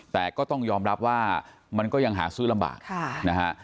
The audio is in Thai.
แต่ก็ต้องยอมรับว่ามันก็ยังหาซื้อลำบากนะฮะ